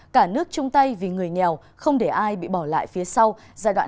cả nước chung tay vì người nghèo không để ai bị bỏ lại phía sau giai đoạn hai nghìn một mươi một hai nghìn hai